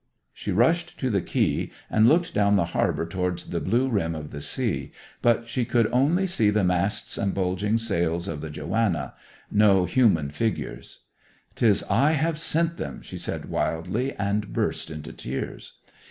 She rushed to the quay, and looked down the harbour towards the blue rim of the sea, but she could only see the masts and bulging sails of the Joanna; no human figures. ''Tis I have sent them!' she said wildly, and burst into tears.